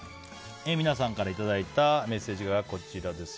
皆さんからいただいたメッセージがこちらです。